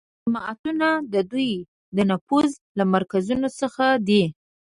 جوماتونه د دوی د نفوذ له مرکزونو څخه دي